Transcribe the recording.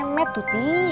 pak kemet tuh ti